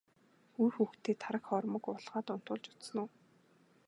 Үр хүүхдээ тараг хоормог уулгаад унтуулж үзсэн үү?